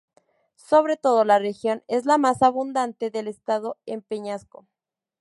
Sobre todo, la región es la más abundante del estado en peñascos.